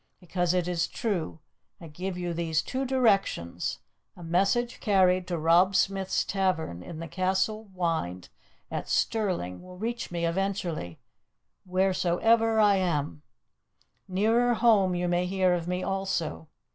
Because it is true, I give you these two directions: a message carried to Rob Smith's Tavern in the Castle Wynd at Stirling will reach me eventually, wheresoever I am. Nearer home you may hear of me also.